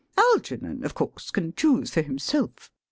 Algernon, of course, can choose for himself.